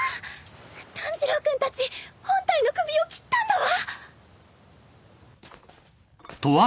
炭治郎君たち本体の首を斬ったんだわ。